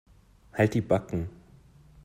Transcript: Halt die Backen.